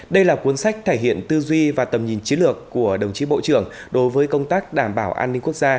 đây là cuốn sách thể hiện tư duy và tầm nhìn chiến lược của đồng chí bộ trưởng đối với công tác đảm bảo an ninh quốc gia